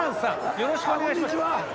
よろしくお願いします。